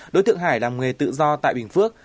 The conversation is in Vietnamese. đối tượng hải làm nghề tự do tại bình phước